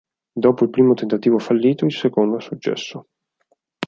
Dopo il primo tentativo fallito, il secondo ha successo.